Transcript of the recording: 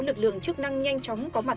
lực lượng chức năng nhanh chóng có mặt